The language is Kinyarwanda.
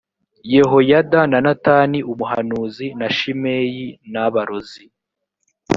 yehoyada na natani umuhanuzi na shimeyi na barozi